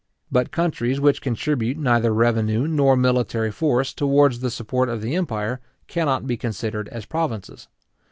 But countries which contribute neither revenue nor military force towards the support of the empire, cannot be considered as provinces.